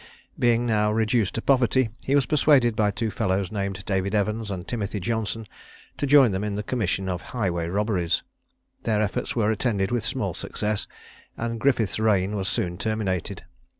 Being now reduced to poverty, he was persuaded by two fellows named David Evans and Timothy Johnson to join them in the commission of highway robberies. Their efforts were attended with small success, and Griffiths's reign was soon terminated.